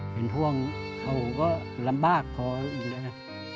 เป็นห่วงเขาก็ลำบากพออีกนะ